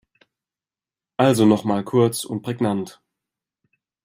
Also noch mal kurz und prägnant.